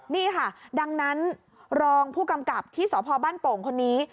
นี่ค่ะดังนั้นรองผู้กำกับที่สพบ้านโป่งคนนี้